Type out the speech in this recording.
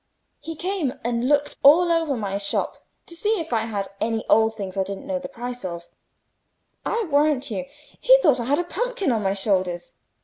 He came and looked all over my shop to see if I had any old things I didn't know the price of; I warrant you, he thought I had a pumpkin on my shoulders.